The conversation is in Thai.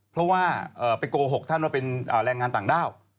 เพราะว่าไปโกหกท่านว่าเป็นแรงงานต่างด้าว